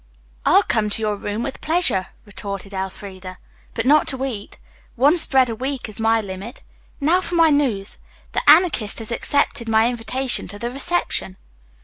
"I'll come to your room with pleasure," retorted Elfreda, "but not to eat. One spread a week is my limit. Now for my news. The Anarchist has accepted my invitation to the reception."